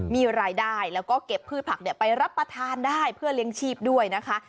มีรายได้แล้วก็เก็บพืชผักไปรับประทานได้เพื่อเลี้ยงชีพด้วยนะคะ